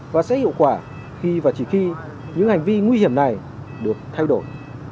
và sẽ hiệu quả khi và chỉ khi những hành vi nguy hiểm này được thay đổi